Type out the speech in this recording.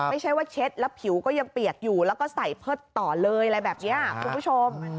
ไม่ใช่ว่าเช็ดแล้วผิวก็ยังเปียกอยู่แล้วก็ใส่เพิดต่อเลยอะไรแบบนี้คุณผู้ชม